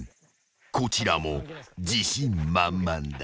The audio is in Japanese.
［こちらも自信満々だ］